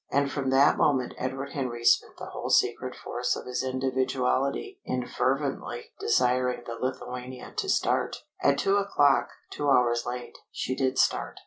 And from that moment Edward Henry spent the whole secret force of his individuality in fervently desiring the Lithuania to start. At two o'clock, two hours late, she did start.